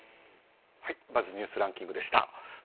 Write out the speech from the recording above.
Ｂｕｚｚニュースランキングでした。